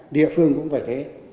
địa phương cũng phải thế